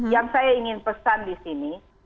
yang saya ingin pesan di sini